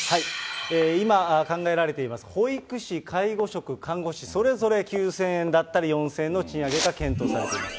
今考えられています、保育士、介護職、看護師、それぞれ９０００円だったり４０００円の賃上げが検討されています。